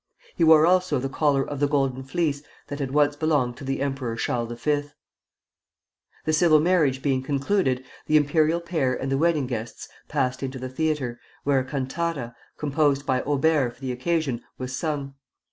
He wore also the collar of the Golden Fleece that had once belonged to the Emperor Charles V. The civil marriage being concluded, the imperial pair and the wedding guests passed into the theatre, where a cantata, composed by Auber for the occasion, was sung.